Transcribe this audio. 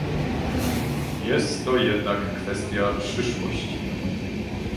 Jest to jednak kwestia przyszłości